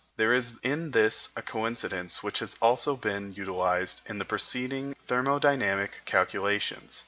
There is in this a coincidence which has also been utilized in the preceding thermodynamic calculations.